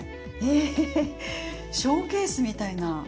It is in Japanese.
えぇ、ショーケースみたいな。